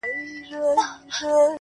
ولي دي يو انسان ته دوه زړونه ور وتراشله.